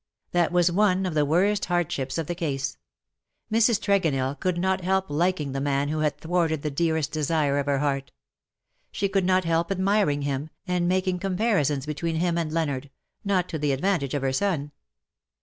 ^' That was one of the worst hardships of the case. Mrs. Tregonell could not help liking the man who had thwarted the dearest desire of her heart. She could not help admiring him, and making com parisons between him and Leonard — not to the advantage of her son.